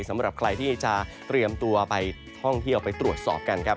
สำหรับใครที่จะเตรียมตัวไปท่องเที่ยวไปตรวจสอบกันครับ